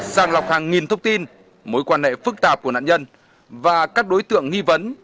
sàng lọc hàng nghìn thông tin mối quan hệ phức tạp của nạn nhân và các đối tượng nghi vấn